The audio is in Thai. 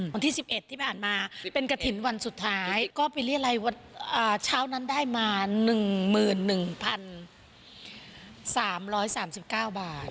วันที่๑๑ที่ผ่านมาเป็นกระถิ่นวันสุดท้ายก็ไปเรียรัยเช้านั้นได้มา๑๑๓๓๙บาท